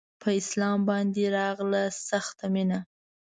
په اسلام باندې يې راغله سخته مينه